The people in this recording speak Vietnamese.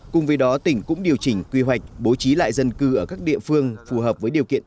cùng với đó tỉnh cũng điều chỉnh quy hoạch bố trí lại dân cư ở các địa phương phù hợp với điều kiện